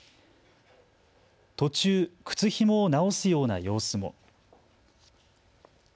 途中、靴ひもを直すような様子も。